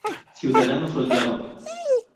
Ciudadano Soldado.